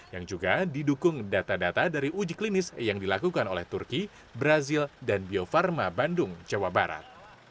yang juga didukung data data dari uji klinis yang dilakukan oleh turki brazil dan bio farma bandung jawa barat